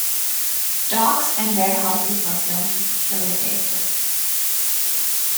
Docks and warehouses were built to facilitate this.